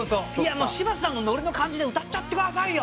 「もう柴田さんのノリの感じで歌っちゃってくださいよ！」